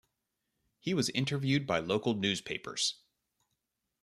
He was interviewed by local newspapers.